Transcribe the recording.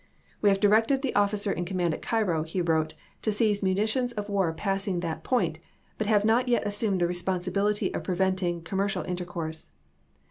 " We have directed the officer in command at Cairo," he wrote, "to seize munitions of war passing that point, but have not yet assumed the responsibility of pre venting commercial intercourse."